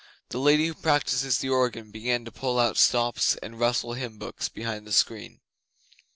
The Lady who practises the organ began to pull out stops and rustle hymn books behind the screen.